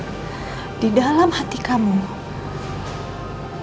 kamu pasti sudah tidak percaya diri seperti sebelumnya